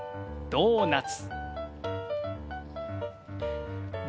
ドーナツ。